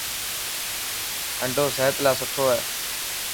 آنڊو سحت لاءِ سٺو هي.